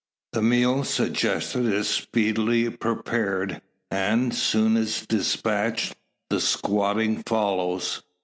The meal suggested is speedily prepared, and, soon as despatched, the "squatting" follows.